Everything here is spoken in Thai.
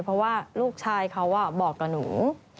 เพราะว่าลูกชายเขาบอกกับหนู